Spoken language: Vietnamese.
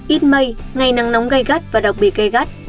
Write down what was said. ít mây ngày nắng nóng gãy gắt và đặc biệt gãy gắt